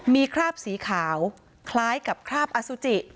มีคราบสีขาวคล้ายกับคราบอสุจิ